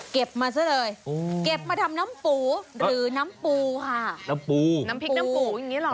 เก็บมาซะเลยเก็บมาทำน้ำปูหรือน้ำปูค่ะ